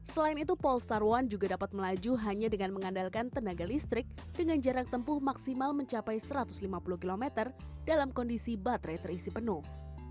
selain itu polestar one juga dapat melaju hanya dengan mengandalkan tenaga listrik dengan jarak tempuh maksimal mencapai satu ratus lima puluh km dalam kondisi baterai terisi penuh